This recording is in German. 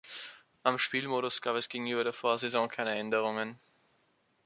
Am Spielmodus gab es gegenüber der Vorsaison keine Änderungen.